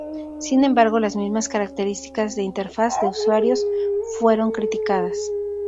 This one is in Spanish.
Sin embargo, las mismas características de interfaz de usuario fueron criticadas.